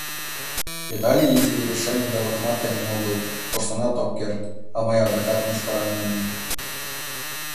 Вет але изи Верушем идалыкымат темен огыл, коштынат ок керт, а мый адакат мӱшкыраҥынам.